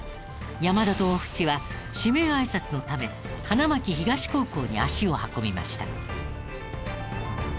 山田と大渕は指名挨拶のため花巻東高校に足を運びました。